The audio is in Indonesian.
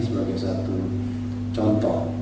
sebagai satu contoh